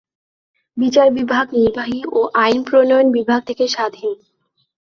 বিচার বিভাগ নির্বাহী ও আইন প্রণয়ন বিভাগ থেকে স্বাধীন।